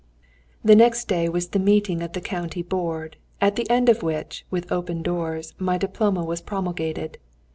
The next day was the meeting of the county board, at the end of which, with open doors, my diploma was promulgated.